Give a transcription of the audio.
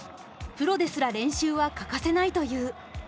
プロですら練習は欠かせないという。